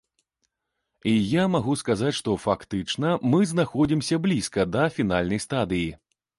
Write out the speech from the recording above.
І я магу сказаць, што фактычна мы знаходзімся блізка да фінальнай стадыі.